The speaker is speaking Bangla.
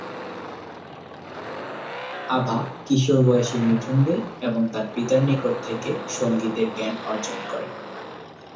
আভা কিশোর বয়সে মিঠুন দে এবং তার পিতার নিকট থেকে সঙ্গীতের জ্ঞান অর্জন করেন।